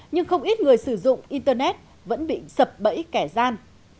nhưng không ít người sử dụng internet vẫn bị sập bẫy kẻ gian